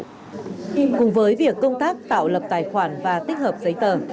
cùng với việc công tác tạo lập tài khoản và tích hợp giấy tờ